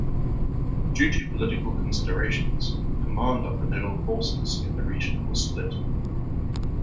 Due to political considerations, command of the naval forces in the region was split.